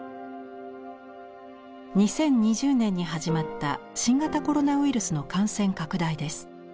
２０２０年に始まった新型コロナウイルスの感染拡大です。